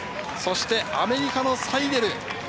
そして今、アメリカのサイデル。